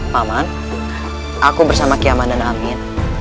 paman aku bersama kiaman dan amin